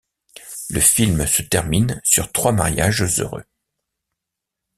Le film se termine sur trois mariages heureux.